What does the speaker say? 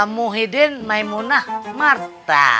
muhyiddin maimunah marta